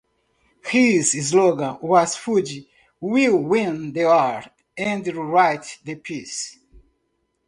His slogan was Food Will Win the War and Write the Peace.